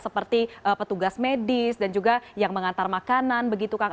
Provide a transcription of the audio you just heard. seperti petugas medis dan juga yang mengantar makanan begitu kang